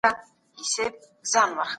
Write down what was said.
د ویکټوریا آبشار یادونه شوې ده.